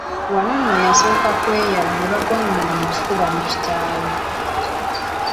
Wano nno yasooka kweyala ne bagwangana mu kifuba ne Kitaka.